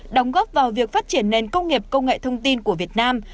đóng góp vào việc phát triển nền công nghiệp công nghệ thông tin của việt nam